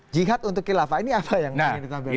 jihad untuk khilafah ini apa yang ingin ditampilkan